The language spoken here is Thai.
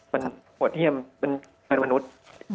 มันโหดเยี่ยมเป็นมนุษย์